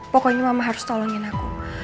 pokoknya mama harus tolongin aku